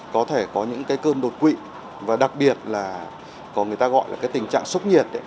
có thể có những cơm đột quỵ và đặc biệt là có người ta gọi là tình trạng sốc nhiệt